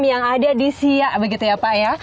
yang ada di siak begitu ya pak ya